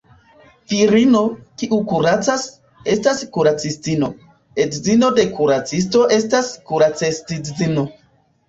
Virino, kiu kuracas, estas kuracistino; edzino de kuracisto estas kuracistedzino.